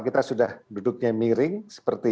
kita sudah duduknya miring seperti